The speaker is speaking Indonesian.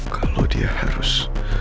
kalau dia harus